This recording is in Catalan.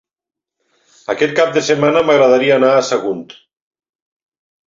Aquest cap de setmana m'agradaria anar a Sagunt.